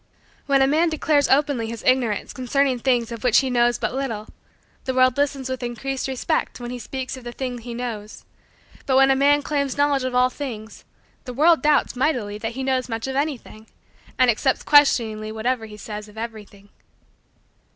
When a man declares openly his ignorance concerning things of which he knows but little, the world listens with increased respect when he speaks of the thing he knows: but when a man claims knowledge of all things, the world doubts mightily that he knows much of anything, and accepts questioningly whatever he says of everything.